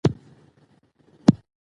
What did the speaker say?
پاچا به تل په حرمسرا کې وخت تېراوه.